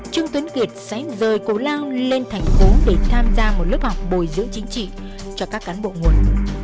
trương tuấn kiệt sẽ rời cố lao lên thành phố để tham gia một lớp học bồi dưỡng chính trị cho các cán bộ nguồn